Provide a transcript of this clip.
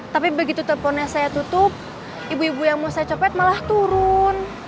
tapi begitu teleponnya saya tutup ibu ibu yang mau saya copet malah turun